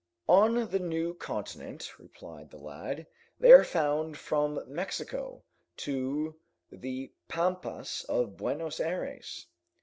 "On the new continent," replied the lad, "they are found from Mexico to the Pampas of Buenos Aires.